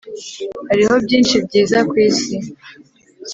Hariho byinshi byiza kwisi